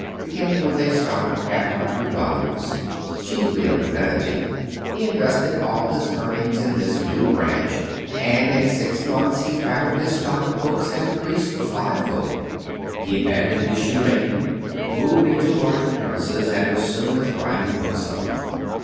Beginning with a stock of half a hundred volumes, chiefly of divinity, he invested all his earnings in this new branch, and in six months he found his stock of books had increased fivefold. He abandoned his shoemaking, moved into larger premises, and was soon a thriving bookseller.